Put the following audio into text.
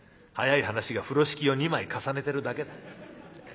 早い話が風呂敷を２枚重ねてるだけだ。